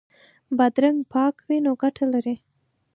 بادرنګ پاک وي نو ګټه لري.